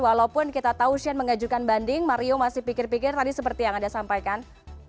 walaupun kita tahu shane mengajukan banding mario masih pikir pikir tadi seperti yang anda sampaikan